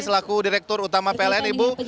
selaku direktur utama pln ibu